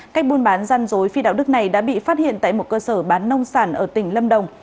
cách buôn bán gian dối phi đạo đức này đã bị phát hiện tại một cơ sở bán nông sản ở tỉnh lâm đồng